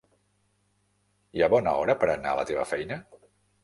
Hi ha bona hora per anar a la teva feina?